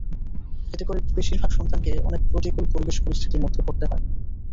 এতে করে বেশির ভাগ সন্তানকে অনেক প্রতিকূল পরিবেশ-পরিস্থিতির মধ্যে পড়তে হয়।